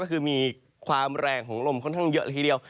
ก็คือมีความแรงของลมค่อนข้างเยอะละทีเดียว